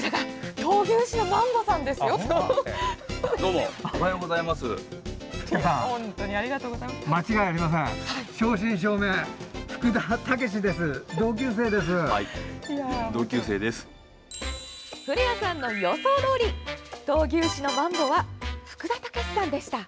闘牛士のマンボは福田剛之さんでした。